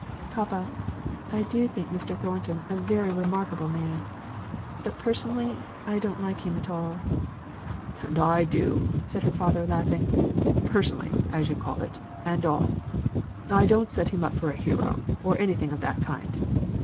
"Papa, I do think Mr. Thornton a very remarkable man; but personally I don't like him at all." "And I do!" said her father laughing. "Personally, as you call it, and all. I don't set him up for a hero, or anything of that kind.